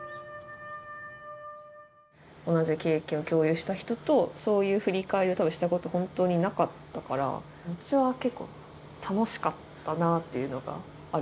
同じ経験を共有した人とそういう振り返りをしたこと本当になかったから私は結構楽しかったなというのがあるかな。